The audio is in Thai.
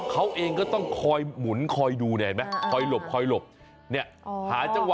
เขาเองก็ต้องคอยหมุนคอยดูเนี่ยเห็นไหมคอยหลบคอยหลบเนี่ยหาจังหวะ